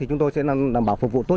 chúng tôi sẽ đảm bảo phục vụ tốt